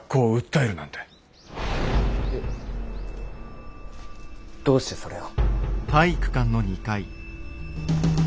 えっどうしてそれを。